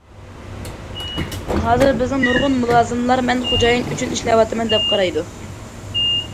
ھازىر بىزنىڭ نۇرغۇن مۇلازىملار‹‹ مەن خوجايىن ئۈچۈن ئىشلەۋاتىمەن›› دەپ قارايدۇ.